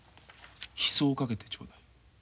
「悲愴」をかけてちょうだい。